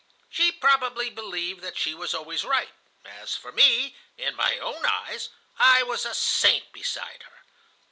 She probably believed that she was always right. As for me, in my own eyes, I was a saint beside her.